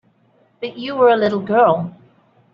But you were a little girl.